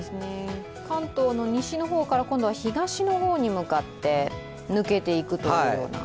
関東の西の方から今度は東の方に向かって抜けていくというような。